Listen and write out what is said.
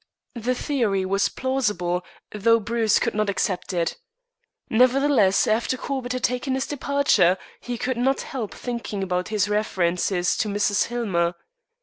The theory was plausible, though Bruce could not accept it. Nevertheless, after Corbett had taken his departure he could not help thinking about his references to Mrs. Hillmer.